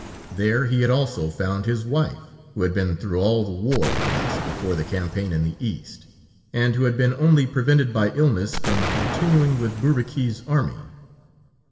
There he had also found his wife, who had been through all the war with us before the campaign in the East, and who had been only prevented by illness from continuing with Bourbaki's army.